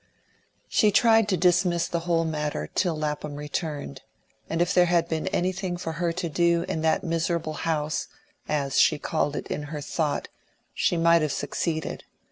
She tried to dismiss the whole matter till Lapham returned; and if there had been anything for her to do in that miserable house, as she called it in her thought, she might have succeeded.